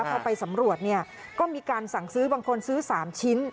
พอไปสำรวจเนี่ยก็มีการสั่งซื้อบางคนซื้อ๓ชิ้น